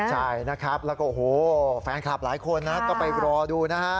ใช่นะครับแล้วก็โอ้โหแฟนคลับหลายคนนะก็ไปรอดูนะฮะ